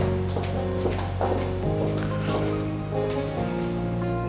dia kalau dia nggak mau